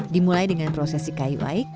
dimulai dengan prosesi kayu aik